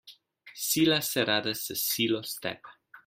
Sila se rada s silo stepe.